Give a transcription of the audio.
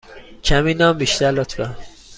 کمی نان بیشتر، لطفا.